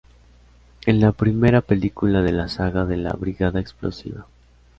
Es la primera película de la saga de la "Brigada explosiva".